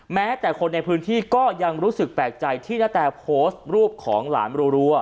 แม้แต่คนในพื้นที่ก็ยังรู้สึกแปลกใจที่นาแตโพสต์รูปของหลานรัว